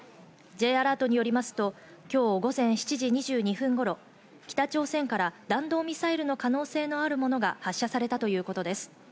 Ｊアラートによりますと、今日午前７時２２分頃、北朝鮮から弾道ミサイルの可能性のあるものが発射されたということです。